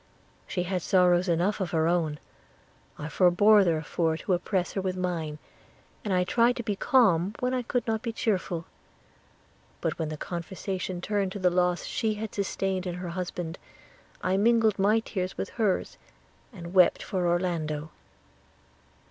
She had sorrows enough of her own; I forbore therefore to oppress her with mine, and I tried to be calm when I could not be cheerful; but when the conversation turned to the loss she had sustained in her husband, I mingled my tears with hers, and wept for Orlando.'